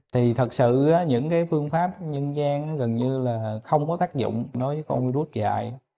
thì thật sự những cái phương pháp nhân gian gần như là không có tác dụng đối với con virus dạy